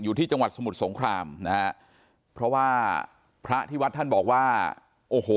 ที่จังหวัดสมุทรสงครามนะฮะเพราะว่าพระที่วัดท่านบอกว่าโอ้โห